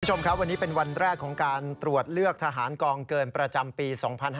คุณผู้ชมครับวันนี้เป็นวันแรกของการตรวจเลือกทหารกองเกินประจำปี๒๕๕๙